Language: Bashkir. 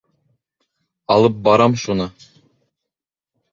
— Алып барам шуны.